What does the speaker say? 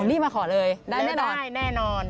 รีบมาขอเลยได้แน่นอน